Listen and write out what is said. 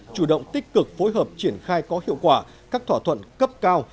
chủ động tích cực phối hợp triển khai có hiệu quả các thỏa thuận cấp cao